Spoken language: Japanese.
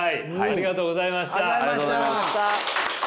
ありがとうございます。